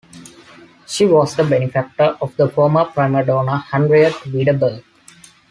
She was the benefactor of the former primadonna Henriette Widerberg.